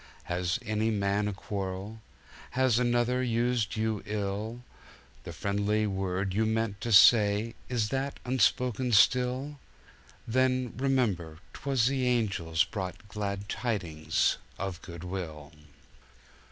Has any man a quarrel? Has another used you ill? The friendly word you meant to say, Is that unspoken still?— Then, remember, 'twas the Angels Brought glad tidings of good will!